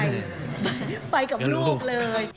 ลืมเมียไปเลยแล้วก็ไปกับลูกเลย